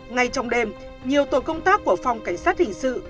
ngay trong đêm nhiều tổ công tác của phòng cảnh sát hình sự